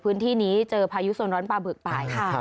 พื้นที่นี้เจอพายุสนร้อนปลาเบือกไปค่ะ